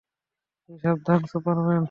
তুই সাবধানে, সুপারম্যান।